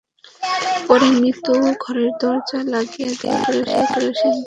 পরে মিতু ঘরের দরজা লাগিয়ে দিয়ে গায়ে কেরোসিন ঢেলে আগুন ধরিয়ে দেন।